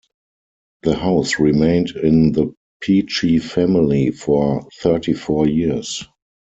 The house remained in the Peachey family for thirty-four years.